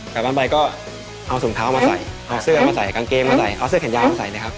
กลับบ้านไปก็เอาถุงเท้ามาใส่เอาเสื้อมาใส่กางเกงมาใส่เอาเสื้อแขนยาวมาใส่เลยครับ